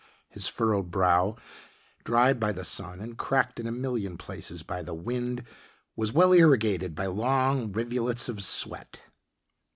His furrowed brow, dried by the sun and cracked in a million places by the wind was well irrigated by long rivulets of sweat.